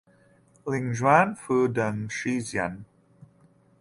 领宣府等十县。